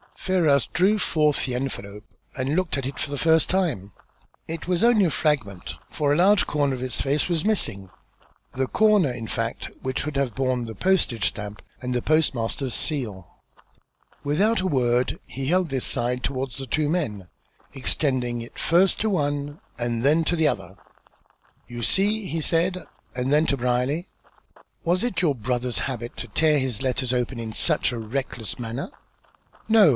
Ferrars drew forth the envelope and looked at it for the first time. It was only a fragment, for a large corner of its face was missing, the corner, in fact, which should have borne the postage stamp and the postmaster's seal. Without a word he held this side towards the two men, extending it first to one, and then to the other. "You see!" he said, and then to Brierly. "Was it your brother's habit to tear his letters open in such a reckless manner?" "No.